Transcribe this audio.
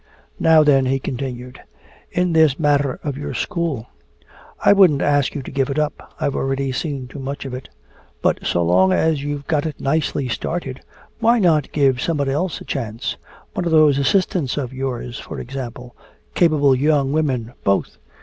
"Now then," he continued, "in this matter of your school. I wouldn't ask you to give it up, I've already seen too much of it. But so long as you've got it nicely started, why not give somebody else a chance? One of those assistants of yours, for example capable young women, both.